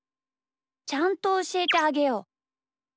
ちゃんとおしえてあげよう。